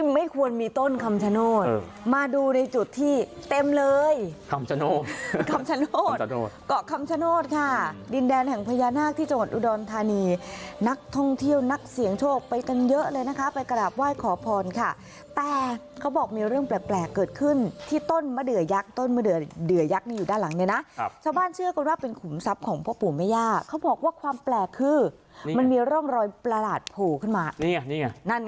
ไม่ควรมีต้นคำชโนธมาดูในจุดที่เต็มเลยคำชโนธคำชโนธก็คำชโนธค่ะดินแดนแห่งพญานาคที่จังหวัดอุดรฐานีนักท่องเที่ยวนักเสียงโชคไปกันเยอะเลยนะคะไปกระดาษไหว้ขอพรค่ะแต่เขาบอกมีเรื่องแปลกเกิดขึ้นที่ต้นมะเดือยักษ์ต้นมะเดือยักษ์เดือยักษ์อยู่ด้านหลังเนี่ยนะชาวบ้าน